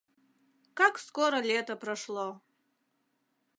Как скоро лето прошло...